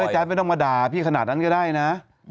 แจ๊ดไม่ต้องมาด่าพี่ขนาดนั้นก็ได้นะ